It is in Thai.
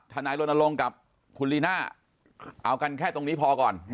นายรณรงค์กับคุณลีน่าเอากันแค่ตรงนี้พอก่อน